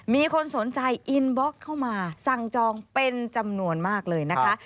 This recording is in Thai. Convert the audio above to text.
มีคนสนใจอินบ็อกซ์เข้ามาสั่งจองเป็นจำนวนมากเลยนะคะ